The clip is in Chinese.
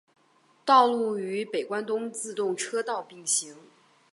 道路与北关东自动车道并行。